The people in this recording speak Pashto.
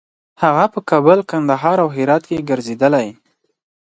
هغه په کابل، کندهار او هرات کې ګرځېدلی.